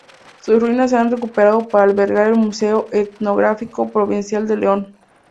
Sus ruinas se han recuperado para albergar el Museo Etnográfico Provincial de León.